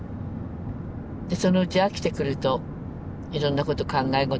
そのうち飽きてくるといろんなこと考え事もできるし。